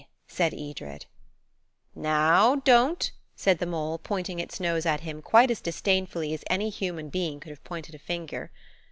said Edred. "Now, don't," said the mole, pointing its nose at him quite as disdainfully as any human being could have pointed a finger.